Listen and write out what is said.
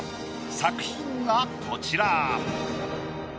作品がこちら。